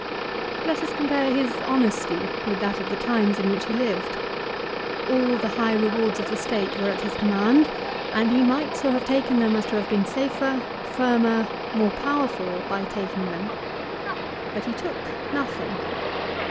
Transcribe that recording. Let us compare his honesty with that of the times in which he lived. All the high rewards of the State were at his command, and he might so have taken them as to have been safer, firmer, more powerful, by taking them. But he took nothing.